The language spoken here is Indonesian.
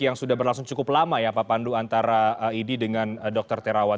yang sudah berlangsung cukup lama ya pak pandu antara idi dengan dr terawan